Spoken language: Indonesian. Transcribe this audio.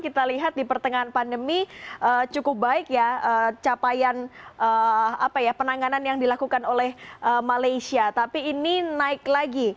kita lihat di pertengahan pandemi cukup baik ya capaian penanganan yang dilakukan oleh malaysia tapi ini naik lagi